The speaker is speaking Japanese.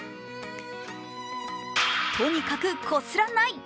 とにかく、こすらない。